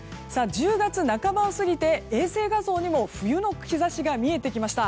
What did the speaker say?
１０月半ばを過ぎて衛星画像にも冬の兆しが見えてきました。